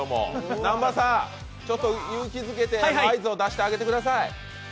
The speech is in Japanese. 南波さん、勇気づけて合図を出してあげてください。